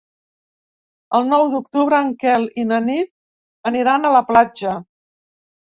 El nou d'octubre en Quel i na Nit aniran a la platja.